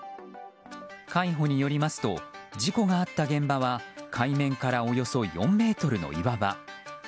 海保によりますと事故があった現場は海面からおよそ４ｍの岩場。